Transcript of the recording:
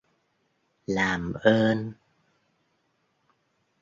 làm ơn